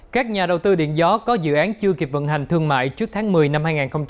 các nhà đầu tư điện gió có dự án chưa kịp vận hành thương mại trước tháng một mươi năm hai nghìn hai mươi